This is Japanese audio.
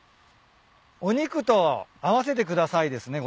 お肉と合わせてくださいですね